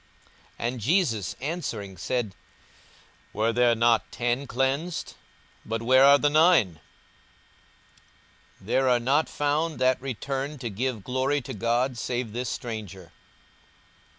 42:017:017 And Jesus answering said, Were there not ten cleansed? but where are the nine? 42:017:018 There are not found that returned to give glory to God, save this stranger.